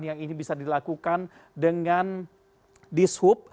yang ini bisa dilakukan dengan dishub